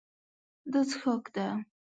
دا څښاک ده.